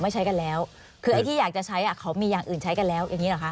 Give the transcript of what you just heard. ใช้กันแล้วคือไอ้ที่อยากจะใช้อ่ะเขามีอย่างอื่นใช้กันแล้วอย่างนี้หรอคะ